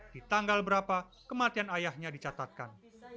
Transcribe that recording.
di tanggal berapa kematian ayahnya dicatatkan